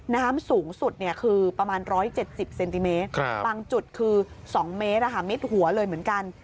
น้ำสูงสุดคือประมาณ๑๗๐เซนติเมตรบางจุดคือ๒เมตรมิดหัวเลยเหมือนกัน